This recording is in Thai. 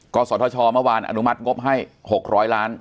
ศธชเมื่อวานอนุมัติงบให้๖๐๐ล้าน